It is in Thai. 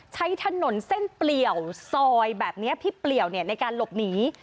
ใช้ถนนเส้นเปลี่ยวซอยแบบนี้ที่เปลี่ยวในการหลบหนี